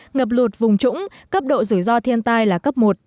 ngập lụt vùng trũng cấp độ rủi ro thiên tai là cấp một